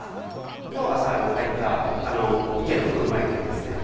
きょう朝入った生けのクルマエビですね。